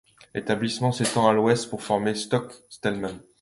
L'établissement s'étend à l'ouest pour former Scotch Settlement.